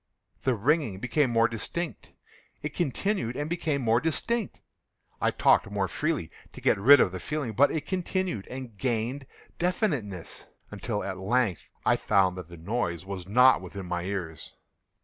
The ringing became more distinct:—it continued and became more distinct: I talked more freely to get rid of the feeling: but it continued and gained definiteness—until, at length, I found that the noise was not within my ears.